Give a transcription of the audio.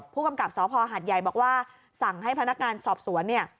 ผู้กำกับสพหัดใหญ่บอกว่าสั่งให้พนักงานสอบสวนเนี่ย